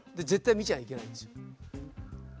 見ちゃいけないんですよ。